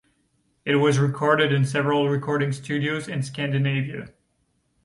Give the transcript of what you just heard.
It was recorded in several recording studios in Scandinavia.